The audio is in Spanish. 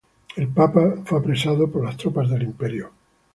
El papa fue apresado por las tropas del imperio.